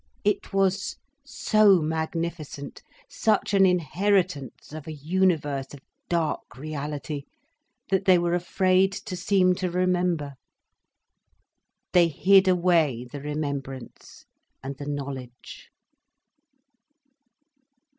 It was so magnificent, such an inheritance of a universe of dark reality, that they were afraid to seem to remember. They hid away the remembrance and the knowledge.